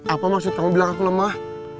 apa maksud kamu belakang aku lemah